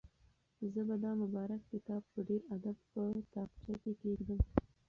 زه به دا مبارک کتاب په ډېر ادب په تاقچه کې کېږدم.